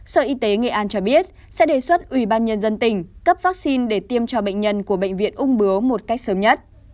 sở y tế nghệ an cho biết sẽ đề xuất ủy ban nhân dân tỉnh cấp vaccine để tiêm cho bệnh nhân của bệnh viện ung bướu một cách sớm nhất